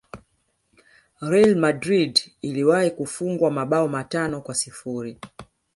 Real Madrid iliwahi kufungwa mabao matano kwa sifuri